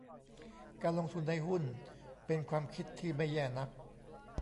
การลงทุนในหุ้น เป็นความคิดที่ไม่แย่นัก